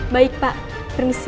baik pak permisi